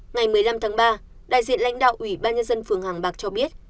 ngày một mươi năm tháng ba đại diện lãnh đạo ủy ban nhân dân phường hàng bạc cho biết